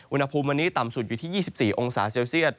อุณหภูมิวันนี้ต่ำสุดอยู่ที่๒๔องศาเซลเซียต